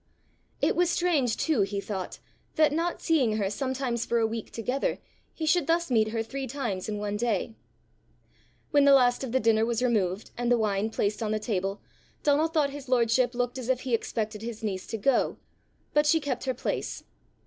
It was strange, too, he thought, that, not seeing her sometimes for a week together, he should thus meet her three times in one day. When the last of the dinner was removed and the wine placed on the table, Donal thought his lordship looked as if he expected his niece to go; but she kept her place.